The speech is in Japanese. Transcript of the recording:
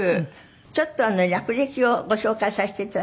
ちょっと略歴をご紹介させていただきます。